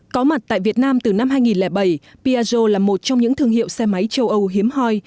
có mặt tại việt nam từ năm hai nghìn bảy piaggio là một trong những thương hiệu xe máy châu âu hiếm hoi